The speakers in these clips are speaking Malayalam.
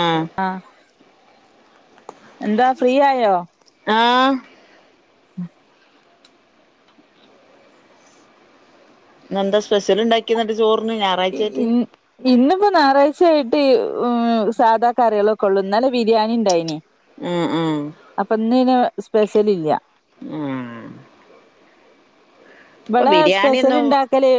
ആഹ് ആ എന്താ ഫ്രീ ആയോ ആ ഉം ന്നെന്ത സ്പെഷ്യല് ഇണ്ടാക്കെ ന്ന ചോറിന് ഞായറാഴ്ചായിട്ട് ഞായറാഴ്ച ആയിട്ട് സാധാ കറികളൊക്കെ ഉള്ളു ഇന്നല്ല ബിരിയാണി ഉണ്ടായിനി ആഹ് ആഹ് അപ്പൊ ന്നീനെ സ്പെഷ്യല് ഇല്ല ആഹ് ഇപ്പൊ ഇവിടെ സ്പെഷ്യൽ ബിരിയാണിയൊന്നും ഉണ്ടാക്കല്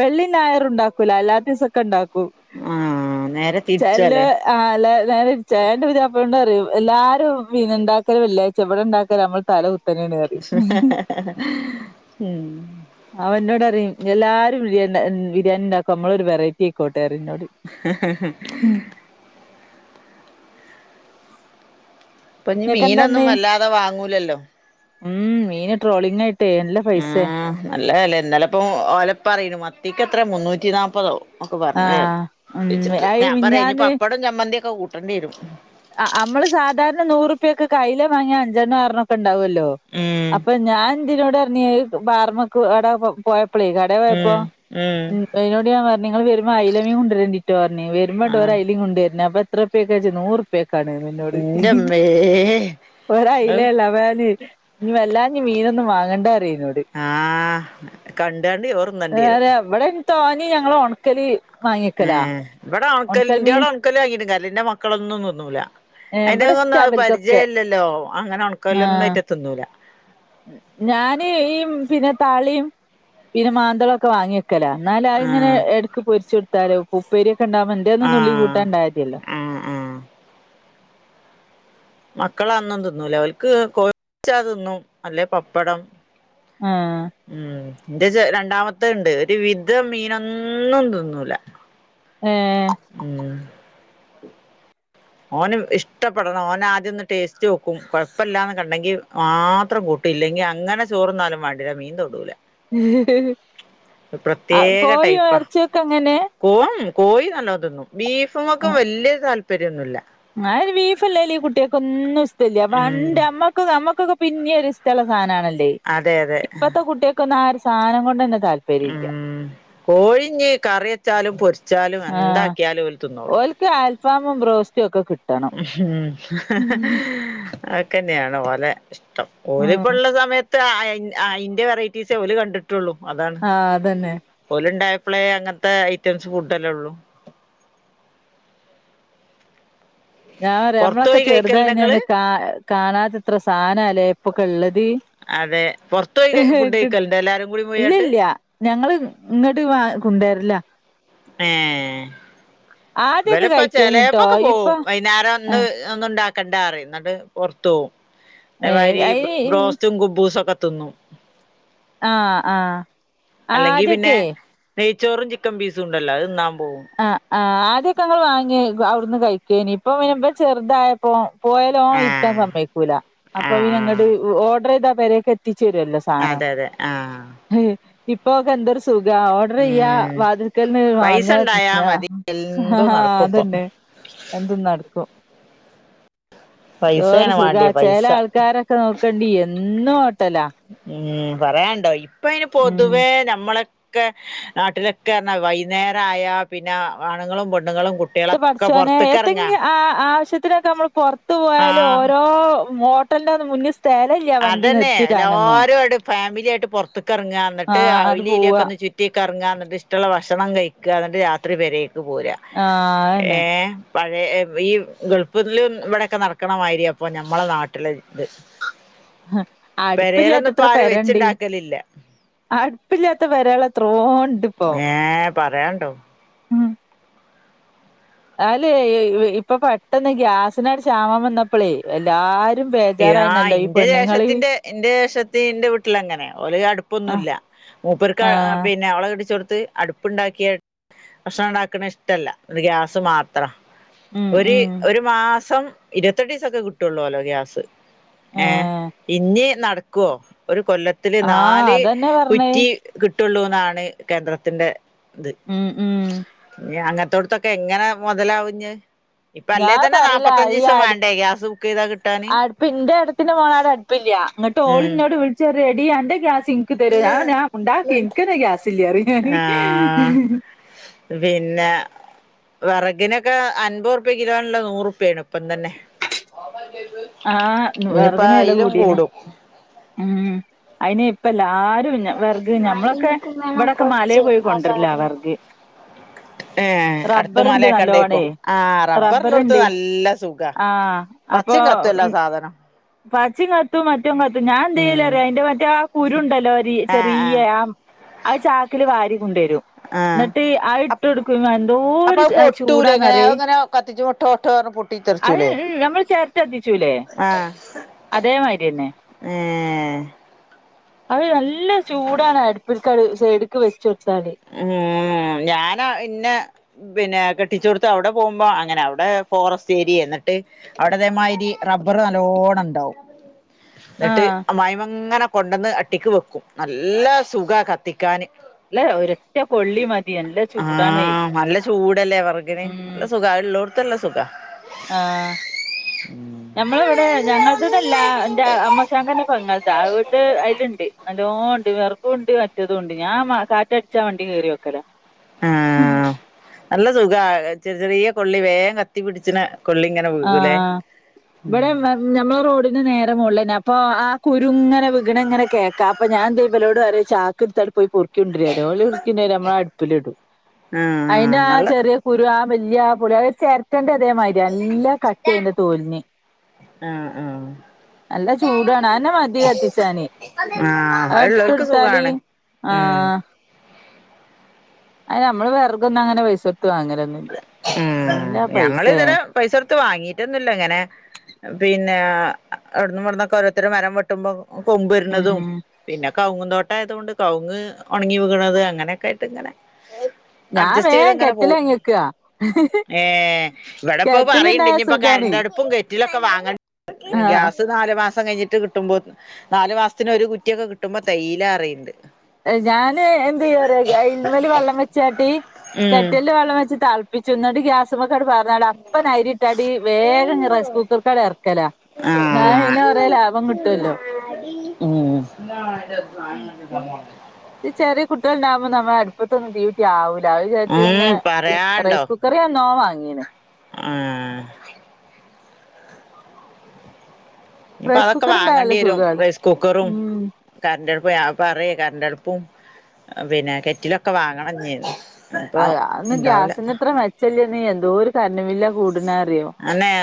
വെള്ളി ഞായറും ഉണ്ടാക്കൂല അല്ലാത്ത ദിവസൊക്കെ ഇണ്ടാ ക്കും ആഹ് നേരെ ചെല് തിരിച്ചാലേ ആ അല്ല നേരെ ചേന്റെ പുയാപ്പളനോണ്ടറിയു എല്ലാരും പിന്നെ ഇണ്ടാക്കലും വെള്ളിയായ്ച്ചേ വിടെ ഉണ്ടാക്കല് നമ്മൾ തല കു ഉം എല്ലാവാരും ബിരി ബിരിയാണിണ്ടാക്കും നമ്മളൊരു വെറൈറ്റി ആക്കോ ട്ടേറിന്നോട് പ്പൊഞ്ഞ് നിങ്ങക്കെന്താ മീനൊന്നും ഇന്ന് വല്ലാതെ വാങ്ങൂലല്ലോ ഉം മീന് ട്രോളിങ്ങായി ഉം നല്ല വെലേന്നലപ്പൊ ഓലപ്പറിണ് മത്തിക്ക ത്രെ മുന്നൂറ്റി നാപ്പതോ ഒക്കെ പറഞ്ഞ് ആഹ് ഉം വിച്ചിട്ട് അയ് ഞാൻ പറയാ ഇനി മിഞ്ഞാന്ന് പപ്പടം ചമ്മന്തിയൊക്കെ കൂട് തീരും അ അമ്മള് സാധാരണ നൂറുപ്യൊക്കൊക്കെ അയില വാങ്ങിയാ അഞ്ചണ്ണൊ ആറണ്ണൊക്കെ ണ്ടാവൊല്ലോ ഉം അപ്പൊ ഞാൻ ഇതിനോട് നീ ബാർമക്ക്ട പോയ പ്പളേ കടേ പോയപ്പോ ഉം ഉം അയ്നോട് ഞാ പറഞ്ഞ് ങ്ങള് വരുമ്പോ അയ്ല മീൻ കൊണ്ടരണ്ടിട്ട് പറഞ്ഞേ വരുമ്പോണ്ട് ആഹ് ഒരയിലേം കൊണ്ടുവരണ് അപ്പ എത്രപ്പേക്കച്ച് നൂർ പ്പേക്കാണ് ന്ന്ന്നോട് ഇന്റമ്മേ ഔ ഒരായിലേല്ല അവേന് ഞ്ഞ് വല്ലാണ്ട് മീനൊന്നും വാങ്ങണ്ടാറയും ആ കണ്ടാണ്ട് ചോറ്ന്നണ്ടിയരും താനി ഞങ്ങള ഉണക്കലീ ഏ ഇവിടെ ഒണക്കലിൻ്റെ മീൻ എൻ്റെവിടെ ഒണക്കല് വാങ്ങിയിട്ടും കാര്യമില്ല. ൻ്റെ മക്കളൊന്നും ഒന്നുല ഏഹ് അയിന്റെ ഇവിടെ ഒന്നും ഇഷ്ടാ അത് ഇവൽക്കൊക്കെ പരിചയല്ലല്ലോ അങ്ങനെ ആഹ് ഉണക്കല്ലന്നട്ട് തിന്നൂല ഞാന് ഈമ് പിന്നെ താളിയും പിന്നെ മാന്തളൊക്കെ വാങ്ങി ക്കല എന്നാല അ ഇങ്ങനെ ആഹ് എടക്ക് പൊരിച്ചു കൊടുത്താലോ ഉപ്പേരി ണ്ടാമ്പൊ ന്തേ ഒന്ന് നുള്ളി ആഹ് കൂട്ടാണ്ടായതിയല്ലോ ആഹ് ആഹ് മക്കള അന്നും തിന്നുംല അവർക്ക് കൊഴച്ചാ തിന്നും അല്ലേ പപ്പടം ആ ന്റെ ചെ രണ്ടാമത്തെണ്ട് ഒരു വിധം മീനൊന്നും തിന്നൂല ഏഹ് മ്മ് ഓന് ഇഷ്ടപ്പെടണം ഓനാദ്യൊന്ന് ടേസ്റ്റോക്കും കൊഴപ്പമില്ലാന്ന് കണ്ടെങ്കി മാത്രം കൂട്ടു ഇല്ലെങ്കി അങ്ങനെ ചോറ്ന്നാലും മാണ്ടില്ല മീൻ തൊടൂല [unintelligible] ആ പ്രത്യേക കോയു ഇറച്ചൊക്കെങ്ങനെ കോയി നല്ലോ തിന്നും ബീഫുംമ്മെക്കും വല്യ താൽ പര്യന്നുല്ല ആ ബീഫല്ലേലും ഈ കുട്ടികൾക്കൊന്നും ഇ ല്ലേ ഉം പണ്ട് അമ്മക്ക് നമ്മക്ക് നിങ്ങക്കൊക്കെ പിന്നെ ഒരിഷ്ടമുള്ള സാധനമാണ ലെ അതെ അതെ ഇപ്പത്തെ കുട്ടിയക്കൊന്നും ആ ഒരു സ് സാധനം കൊണ്ട്ന്നെ ഉം കോഴിഞ്ഞ് കറി വെച്ചാലും പൊരി വച്ചാലും എന്താക്കിയാലും ഓല് തിന്നോളും ഫാമും ബ്രോസ് ഉം ഉം [unintelligible] തന്നെയാണ് പോലെ ഇഷ്ടം ഓരിപ്പോ ആഹ് ഇള്ള സമയ അയിന്റെ വെറൈറ്റീസ് ഓല് കണ്ടിട്ട് ഉള്ളൂ അതാണ് അതന്നെ ഓലോണ്ടായ അപ്പളേ അങ്ങനത്തെ ഐറ്റംസ് ഫുഡല്ലേ ഒള്ളു ഞാൻ പറയാ പൊറത്ത് നമ്മളൊക്കെ പോയി ചെറുതാ കഴിക്കലുണ്ടോ ഇങ്ങള് ഇനിന്ന് കാ കാണാനെത്ര സാധനല്ലേ എപ്പൊക്കെ ഇള്ളത് അതെ പൊറത്ത് പോയി ഫുഡ് കഴിക്കലുണ്ടോ എല്ലാരും കൂടി പോയാട്ട് ഇല്ലല്ല ഞങ്ങള് ഇങ്ങോട്ട് കൊണ്ടരില്ല ഏ ആദ്യൊക്കെ ഇവലപ്പ കഴിക്കേനിട്ടോ ചെലയപ്പൊക്കെ പോവും ഇപ്പൊ വൈന്നേ വേറേ ആ, ഒന്നും ഒന്നും ഒണ്ടാക്ക കണ്ടാറിയും. എന്നിട്ട് പൊറത്ത് പോവും. ഏ, അതേമാതിരി അയിന് ഇൻ- ബ്രോസ്റ്റും കുബൂസൊക്കെ തിന്നും. ആ ആ അല്ലെങ്കി പിന്നെ ആദ്യൊക്കെ നെയ്ച്ചോറും ചിക്കൻ പീസും ഉണ്ടല്ലോ? അത് തിന്നാം ആ ആ ആച് ആദ്യക്കെ നമ്മള് വാങ്ങി അവിടുന്ന് കഴിക്കുവായിനു. ഇപ്പൊ പിന്നെ ഇപ്പൊ ചെറുതായപ്പോ പോയാലും ഓൻ ഇരിക്കാൻ ആഹ് സമ്മയിക്കൂല. അപ്പൊ ആഹ് ആഹ് പിന്നങ്ങിട്ട് ഓർഡർ ചെയ്താ വരെക്കെ ത്തിച്ചേരുവല്ലോ സാനം. അതെ അതെ ആഹ് ഇപ്പൊക്കെന്തൊരു സു സുഖാ. ഓർഡർ ചെയ്യ, ഉം വാതിൽക്കൽന്ന് പൈസ വാങ്ങ, ഉണ്ടായാ മതി എന്തും ആ നടക്കും ഇപ്പം അതന്നെ എന്തും നടക്കും. എന്തോരു പൈസയാണ് സുഖാ. വേണ്ടിയെ ചെല പൈസ ആൾക്കാരൊക്കെ നോക്കണ്ടി എന്നും ഹോട്ടലാ ഉം പറയാണ്ടോ ഇപ്പ അയ്ന് ഉം പൊതുവേ നമ്മളെ ക്കെ നാട്ടിലൊക്കെർഞ്ഞാ വൈന്നേരായാ പിന്നെ ആണുങ്ങളും പെൺ ട്ട് പട്ച്ചോനെ എത്തെങ്കിലും ആ ആവശ്യത്തിനൊക്കെ മ്മള് പൊർത് പോയല് ആഹ് ഓരോ മോട്ടൽനൊന്നും മുന്നിസ് തേലല്ല വണ്ടി നിർത്തിടാനൊന്നും ഫാമിലിയായിട്ട് പൊർത്ത് ക്കർങ്ങ ന്നട്ട് ആഹ് ആണ്ട് പോവാ അയിലിയിലൊക്കൊന്ന് ചുറ്റി കർങ്ങാ എന്നിട്ട്ഷ്ടള്ള ഭക്ഷണം കഴ ക്ക ന്നട്ട് രാത്രി പെരെ പോരാ ആഹ് അതന്നെ ഏഹ് പഴയ ഈ ഗൾഫ്ലും ഇവിടൊക്കെ നടക്കണമായിര്യാപ്പം ഞമ്മളെ നാട്ടില് ത് അടുപ്പില്ലാത്തത്ര പെരണ്ട് വെച്ചുണ്ടാക്കലില്ല അട്പ്പില്ലാത്ത ട്ട് പെരെളെത്രോ ഏഹ പറയാണ്ടോ ഉം അല്ലേ ഇപ്പൊ പെട്ടെന്ന് ഗ്യാസിനാണ്ട് ക്ഷാമം വന്നപ്പളേ എല്ലാര് ഇ ആഹ് ഇന്റെ ജേഷത്തിന്റെ ഇന്റെ ഷത്തിന്റെ വീട്ടിലങ്ങനെ ഓല് ആഹ് അടുപ്പൊന്നുല്ല മൂപ്പര്ക്ക്‌ അ ആ ആഹ് പിന്നെ അവളെ കെട്ടിച്ചോട് ത്ത് അടുപ്പുണ്ടാക്കിയ ഭക്ഷണം ഉണ്ടാക്കണ ഇഷ്ടമല്ല ഗ്യാസ് മാത്രം ഉം ഒര് ഉം ഒരു മാസം ഇരുത്തെട്ട് ദിവസ ഒക്കെ കിട്ടയുള്ളൂല്ലോ ഗ്യാസ് ഏഹ് ഇന്ന് നടക്കുവോ ഒരു കൊല്ലത്തില് ആഹ് നാല് അതന്നെ പറഞ്ഞേ കുറ്റി കി ട്ടുള്ളൂ എന്നാണ് കേന്ദ്രത്തിൻ്റെ ഇത് ഉം ഉം അങ്ങ ഇത്തടത്തൊക്കെ എങ്ങനെ മുതലാവഞ്ഞി ഇപ്പ അല്ലേ ഞാൻ തന്നെ പറയല നാപ്പത്തഞ്ചു ഈ ദിവസം വേണ്ടേ ഗ്യാസ് ബുക്ക് ചെയ്താ കിട്ടാന്. ന്റെ ഇടത്തിന്റെ പോകാട് അടുപ്പമില്ല എന്നിട്ട് ഉം ഓളന്നോട് വിളിച്ച റെഡി ആണ്ട് ഗ്യസ് നിക്കി തരോ ഞാൻ ഞാ ഉണ്ടാക്കി എനിക്കനെ ഗ്യാസല്ല അറിയാന് ആഹ് കിനൊക്കെ അൻപത്റുപ്യ കിലോണുള്ള നൂറുപ്യാണ് ഇപ്പം തന്നെ. ആഹ് ഇനിയിപ്പോ വിറകിന വില അയിലും കൂടീനു കൂടും ഉം. അതിന് ഇപ്പെ ല്ലാരും വെർഗ് ഞമ്മളൊക്കെ എനിക്കും വേണം ഇവിടെക്കെ മലേൽ കുറച്ച് പോയി ആ കൊണ്ടരല സാധനം വെർഗ് ഏ അടുത്ത റബ്ബർണ്ട് മലയൊക്കെ നല്ലോണേ ഉണ്ടേക്കും ആ റബ്ബറിലോടുത്ത് റബ്ബർണ്ട് നല്ല സുഖ ആഹ് അപ്പൊ പച്ചയും കത്തുവല്ല സാധനം പാച്ചിംകത്തും മ റ്റും കത്തും ഞാൻ ഉം എന്തീയലറ് യോ അയിന്റെ മറ്റേ ആ കുരുണ്ടല്ലോ ഒരി ചെറീയ ആ അത് ചാക്കില് വാരി കൊണ്ടേരും ആ ന്നട്ട് അയ് ഇട്ടൊടുക്കും അപ്പൊ എന്തോരു അത് എഹ് പൊട്ടൂലേ ഇങ്ങനെ ചൂടാന്നറിയോ അങ്ങനെ കത്തിച്ച് മുട്ട മുട്ട പറഞ്ഞ് അയ് പൊട്ടിത്തെറിച്ചൂലേ അയ് എയ് നമ്മള് ചേർ റ്റത്തി ചുലെ ആ അതേ മാരിയന്നെ ഏ അഅ് ന ല്ല ചൂടാണ് അടുപ്പിൽക്കട് സൈഡിക്ക് വെച്ചൊട്- ആ ഞാനാ ഇന്നെ പിന്നെ കെട്ടിച്ചോട്ത്ത് അവ്ടെ പോവുമ്പോ അങ്ങനെ അവിടെ ഫോറസ്റ്റ് ഏരിയെ ന്നട്ട് അവിടതേമായിരി റബ്ബറ് നല്ലോണം ണ്ടാവും ന്നട്ട് ആഹ് അമ്മായിമ്മങ്ങനെ കൊണ്ടന്ന് അട്ടിക്ക് വെക്കും നല്ല സുഖാ കത്തിക്കാന് നല്ല ഒരൊറ്റ കൊള്ളി മതി നല്ല ആ ചൂടാണേ നല്ല ചൂടല്ലേ വെർകിന് നല്ല സുഖാ അഇള്ളോട് ത്തല്ലസുഖ ആ ഞമ്മളെവിടെ ഞങ്ങൾതതല്ല എന്റെ അമ്മോശകാക്കാന്റെ പെങ്ങൾതാ അഓണ്ട് അയില്ണ്ട് നല്ലോണ്ട് വെർ ഉണ്ട് മറ്റേതുമുണ്ട് ഞാൻ മ കാറ്റടിച്ചാ വണ്ടി കേറി വെക്കലാ ആ നല്ല സുഖവാ ചെറിയ ചെറിയ കൊള്ളി വേം കത്തി പിടിച്ചന ആ ഇവിടെ മ് ഞമ്മളെ റോഡിന് നേരെ മോളിലന്നെ അ പ്പൊ ആ കുരുങ്ങനെ വികണങ്ങനെ കേക്കാം അപ്പൊ ഞാൻ ദേ വലോട് പറയും ചാക്ക് എടുത്തട് പോയി പൊറു ക്കുണ്ട്ര്യരാൻ [unintelligible] നമ്മളെ അടുപ്പലിടും അയിന്റെ ആഹ് ആ നല്ല ചെറ്യേ കുരു ആ [unintelligible] വല്ല്യ ആ പൊളി അത് ചെരട്ടേന്റെ അതേമായിരിയ നല്ല കട്ടി അയ്ന്റെ തോലിന് ആഹ് ആഹ് നല്ല ചൂടാണ് അയന്നെ മതി കത്തിച്ചാന് ആഹ് അത അത് ഇള്ളോൽക്ക് ഇട്ടൊടുത്താല് സുഖാണ് ആ ഉം അത് നമ്മള് വേർകൊന്നങ്ങെനെ പൈസൊ ടുത്ത് വാങ്ങാലൊന്നുല്ല്യ നല്ല പൈസയ ത്ത് വാങ്ങീട്ടൊന്നുല്ല ഇങ്ങനെ പിന്നെ അവിടന്നും ഇവിടന്നൊക്കെ ഓരോരുത്തരും മരം വെട്ടുമ്പോ കൊമ്പരുന്നതും ഉം പിന്നെ കവുങ്ങ് തോട്ടയതു കൊണ്ട് കവുങ്ങ് ഒണങ്ങി വീഴണത് അങ്ങനെയൊക്കെ ആയിട്ട് ഇങ്ങനെ ഞാൻ വേം കെറ്റലാങ്ങേക്ക ഏ വടെ പ്പൊ പറയണ്ട് കെറ്റിലുണ്ടായ നി ഇപ്പ സുഖാണ് കരണ്ടടുപ്പും കെറ്റിലൊക്ക വാങ്ങ ആഹ് ഗ്യാസ് നാല് മാസം കഴി ഞ്ഞിട്ട് കിട്ടുമ്പോ നാല് മാസത്തിന് ഒരു കുറ്റിയൊക്കെ കിട്ടുമ്പോ തേകയ്യിലാണ് ഞാന് എന്തീയും അറ്യോ അയ്ല്മല് വെള്ളം വെച്ചാട്ടി ഉം കെറ്റലില് വെള്ളം വെച്ച് ത പി ചുടി ഗ്യാസൊക്കെ പറഞ്ഞ അപ്പന അരിട്ട അടി വേഗംറൈസ് കുക്കർക്കട് ഇറക്കല ന ആഹ് ഇന്ന കുറേ ലാഭം കിട്ടുവല്ലോ ഉെ ത് ചെറിയ കുട്ടികൾ ഉണ്ടാവക്പോ നമ്മൾ അടുപ്പത്തൊന്നും ഡ്യൂട്ടി ആാവൂ രാവ ചച്ചു പിന്നെ ഉം റൈസ് കുക്കറാന്നോാങ്ങ അങ്ങിയനെ ആഹ ഇപ്പ റൈസ് അതൊക്കെ വാങ്ങേണ്ടി കുക്കറുണ്ടായാല് വരും സുഖാണ് റൈസ് കുക്കറും ഉം കരണ്ട്ടുപ്പും ഞപ്പ പറ കരണ്ട്ടുപ്പും പിന്നെ കെറ്റിലൊക്കെ വാങ്ങണംന്നേരുന്നു അ അന്ന് ഗ്യാസിന്ത്ര മെച്ചല്? എന്തോ ഒരു കറന്റ്‌ ബില്ല് ആ കൂടുന്ന- അന്നെ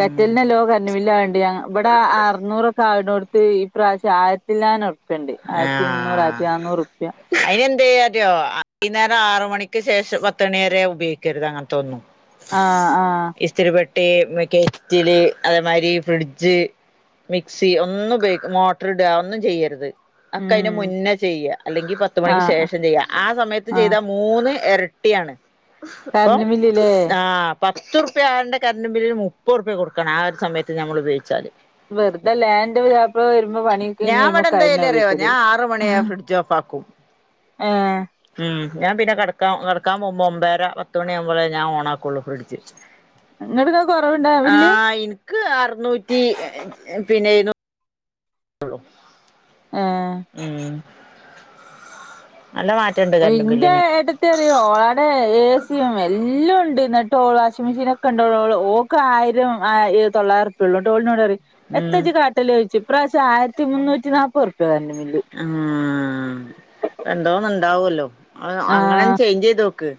കലല്ലില്ല ഇവിടെ അറൂറ കാവിടനോടുത്ത് ഈ പ്രാചാരത്തില്ലാന ണ്ട് ആയിരത്തി മുന്നൂറ ആഹ് ആയിരത്തി നന്നൂറുപ്യ ോ വൈകുന്നേരം ആറ മണിക്ക് ശേഷം പത്ത മണി വരെ ഉപയോഗിക്കരുത് അങ്ങനത്തെൊോന്നും ആഹ ആഹ ട്ട കെസ്റ്റില് അതേമാരി ഫ്രിഡ്ജ് മിക്സി ഒന്നും ഉപയോഗ മോട്ടർ ഇടുക ഒന്നും ചെയ്യരുത് അക്കെ അതിനന് ഉം മുന്നേ ചെയ്യ അല്ലെങ്കിൽ പത്ത മണിക്ക് ആഹ് ശേഷം ചെയ്യ ആ സമയത്ത് ആഹ് ചെയ്ത മൂന്ന് എരട്ട കുട്ടിയാണ് ഇപ്പം കറണ്ട് ബില്ലില്ലേ ആഹ് പത്തുറ്പ്യ ആവന്റ്യ കറണ്ട് ബില്ലിന് മുപ്പൊറ്പ്യ കൊടുക്കണം ആ ഒരു സമയത്ത് ഞമ്മൾ ഉപയോഗിച്ചാൽ വെറുതെ ലാൻഡപുത്യാപ് ള വരുമ്പോ പണി കഴിഞ്ഞ് വരുമോക ന്തറ്യോ ഞാൻ ആറ് മണി ആയാ ഫ്രിഡ്ജ് ഓഫാക്കും ഏഹ് ഉം ഞാൻ പിന്നെ ക ക്കാൻ മുമ്പ് ഒമ്പേര പത്ത് മണിയാവുമ്പളെ ഞാൻഓണാ ക്കൊള്ളൂ ഫ്രിഡ്ജ് ഇങ്ങട്ട് ഇങ്ങക്ക് കൊറവുണ്ടാ ആ ബില്ല് ഇൻക്ക് അറുനൂറ്റി പിന്നെ എഴു ഹലോ ഏഹ് നല്ല മാറ്റണ്ട് കറണ്ട് ഇന്റെ ബില്ലിന് ഏട്ടത്തെറിയോ ഓളാട ഏസിയും എല്ലുഉണ്ട് ടോൾ വാഷിംഗ് മെഷീൻ ഒക്കെണ്ടൂ ഓക്ക് ആയിരം ആ തൊള്ളായരറ് പ്യ ള്ളു ന്നട്ട് ഓള് ഇന്നോട് പറിം എത്ത ഉം ജ്ജ് കാട്ടല് ഓയ്ച്ചും പ്രപാവശം ആയിരത്തി മുന്നൂറ്റി നാൽപ്പത് ആ രണ്ടോന്നണ്ട് ഉണ്ടാവല്ലോ അ [unintelligible] അങ്ങനെ ആഹ് ചേഞ്ച് ചെയ്ത് നോക്ക്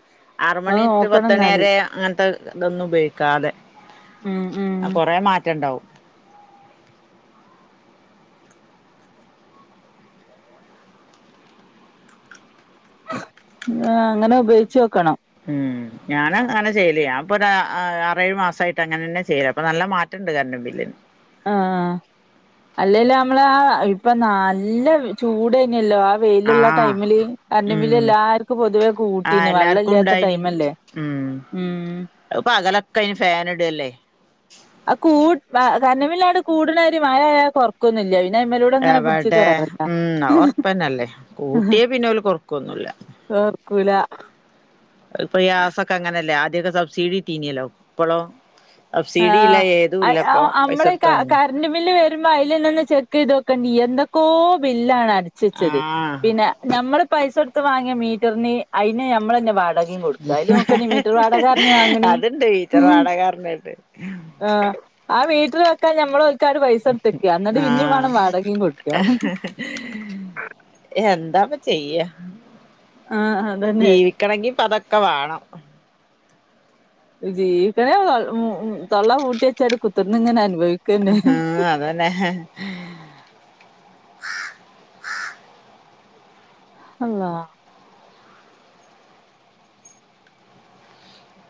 അത് ആറുമണി നോക്കണം പത്ത് മണി എന്നാല് വരെ അങ്ങനത്തെ ഇതൊന്നും ഉപയോഗിക്കാതെ ഉം ഉം ആ കൊറെ മാറ്റം ഉണ്ടാവും അങ്ങനെ ഉപയോഗിച്ചോക്കണം ഉം ഞാൻ അങ്ങനെ ചെയ്യല് ഞാപ്പൊതാ ആറേഴു മാസായിട്ട് അങ്ങനെന്നെ ചെയ്യല് അപ്പൊ നല്ല മാറ്റംണ്ട് കരണ്ടും ബില്ലിന് ആഹ് അല്ലെല് നമ്മളെ ആ ഇപ്പൊ നല്ല ചൂടേന്യല്ലോ ആ വെയിലുള്ള ആഹ് ടൈമില് കരണ്ടും ബില്ല് ഉം എല്ലാർക്കും പൊതുവേ ആഹ് കൂട്ടീനി വള്ളം എല്ലാർക്കും ഉണ്ടായിനി ല്ല്യാത്തടൈമല്ലേ ഉം ഉം പകലൊക്കെ അയിന് ഫാൻ ഇടല്ലേ ആ കൂട് കരണ്ട് ബില്ലാണ്ട് കൂടുണാരി മഴയാ കൊർക്കൊന്നുംല്ല്യ എവിടെ ഉം അഹൊർപ്പന്നല്ലേ കൂട്ടിയ പിന്നോല് കൊറക്കൊന്നുല്ല കോർക്കൂല അഹ്പ്പ ഗ്യായാസൊക്കെ അങ്ങനെല്ലേ ക്കെ സബ്സിഡി കിട്ടീനിയല്ലോ ഇപ്പളോ ആ സബ്സിഡി ഇല്ല ഏതും ഇല്ല ഇപ്പൊ [unintelligible] പൈസ നമ്മള് കൊടുത്ത് വാങ്ങ കറണ്ട് ബില്ല് വരുമ്പോ അതിലെന്നെ ഒന്ന് ചെക്കെയ്തു നോക്കേണ്ടി എന്തൊക്കോ ബില്ലാണ് അഹ് ബിച്ചെച്ചത് ആഹ് പിന്നെ നമ്മള് പൈസൊടുത്ത് വാങ്ങിയ മീറ്ററിന് അയിന് നമ്മളെന്നെ വാട ഹ് ഹ് ഹ് വാങ്ങണി അത്ണ്ട് മീറ്റർ വാടകാർണാണ്ട് ആഹ് ആ വീട്ടില് വെക്കാൻ ഞമ്മള്, ഓൽക്കാട് പൈസ കൊടുത്തക്കാ എന്നിട്ട് ആ പിന്നേം വേണം വാടകയും കൊടുക്കുക ഹ് ഹ് ഹ്എന്താപ്പ ചെയ്യ ആഹ് അതന്നെ ജീവിക്കണെങ്കിപ്പതൊക്കെ വാണം ജീവിക്കണേ തൊള്ള പൂട്ടി വെച്ചാണ്ട് ടു കുത്തർന്ന് ങ്ങനെ ആ അതന്നെ അള്ളാഹ്